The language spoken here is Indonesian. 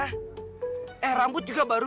kamu juga membeli rambut baru